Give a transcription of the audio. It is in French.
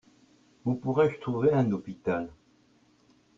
Où pourrais-je trouver un hôpital ?